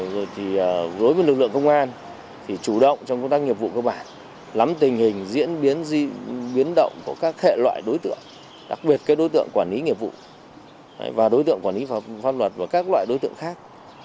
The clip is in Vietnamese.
rồi thì đối với lực lượng công an thì chủ động trong công tác nghiệp vụ cơ bản lắm tình hình diễn biến di biến động của các hệ loại đối tượng đặc biệt cái đối tượng quản lý nghiệp vụ và đối tượng quản lý pháp luật và các loại đối tượng khác